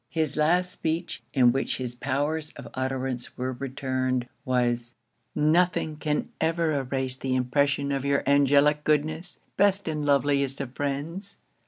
His last speech, in which his powers of utterance were returned, was 'Nothing can ever erase the impression of your angelic goodness, best and loveliest of friends!